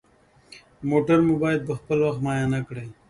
موټر مو باید پخپل وخت معاینه کړئ.